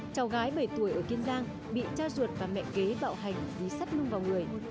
cháu gái bảy tuổi ở kiên giang bị cha ruột và mẹ ghế bạo hành dí sắt lung vào người